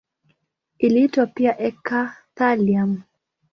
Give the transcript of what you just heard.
Iliitwa pia eka-thallium.